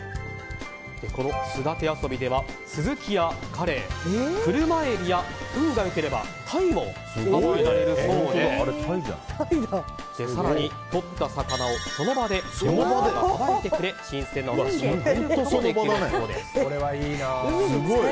この、すだて遊びではスズキやカレイ、クルマエビや運が良ければタイも捕まえられるそうでとった魚をその場で漁師さんがさばいてくれ新鮮なお刺し身を食べることもできるそうですよ！